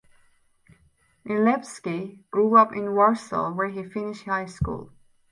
Milewski grew up in Warsaw where he finished high school.